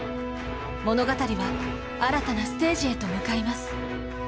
物語は新たなステージへと向かいます。